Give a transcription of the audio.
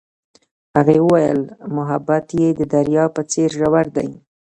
هغې وویل محبت یې د دریا په څېر ژور دی.